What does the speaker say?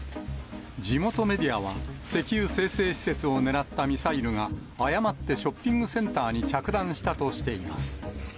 地元メディアは、石油精製施設を狙ったミサイルが、誤ってショッピングセンターに着弾したとしています。